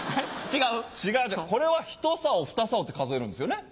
違う違うこれはひと棹ふた棹って数えるんですよね。